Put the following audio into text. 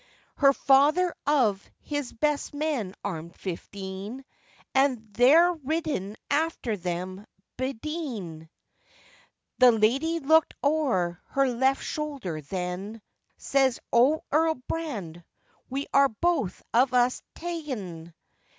Her father of his best men armed fifteen, And they're ridden after them bidene. The lady looked owre her left shoulder then, Says, 'O Earl Brand we are both of us ta'en.